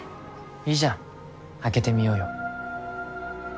いいじゃん開けてみようよ。